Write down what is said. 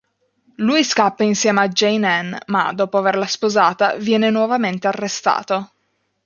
Lui scappa insieme a Jane Anne ma, dopo averla sposata, viene nuovamente arrestato.